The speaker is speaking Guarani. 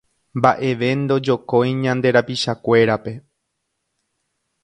Mbaʼeve ndojokói ñande rapichakuérape